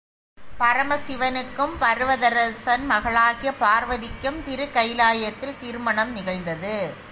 பரமசிவனுக்கும் பருவதராசன் மகளாகிய பார்வதிக்கும் திருக்கயிலாயத்தில் திருமணம் நிகழ்ந்தது.